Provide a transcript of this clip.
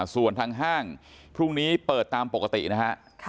ส่วนทางห้างพรุ่งนี้เปิดตามปกตินะฮะ